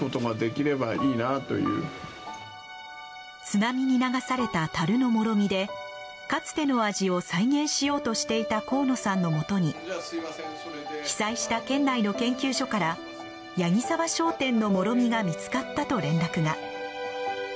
津波に流されたたるのもろみでかつての味を再現しようとしていた河野さんのもとに被災した県内の研究所から八木澤商店のもろみが見つかったと連絡が。